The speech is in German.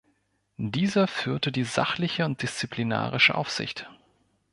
Dieser führte die sachliche und disziplinarische Aufsicht.